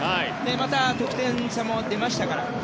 また、得点差も出ましたから。